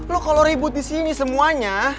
lo kalo ribut disini semuanya